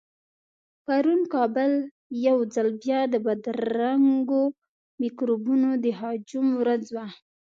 پرون کابل يو ځل بيا د بدرنګو مکروبونو د هجوم ورځ وه.